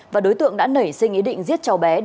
và đối tượng đã nảy sinh ý định giết cháu bé để trả thù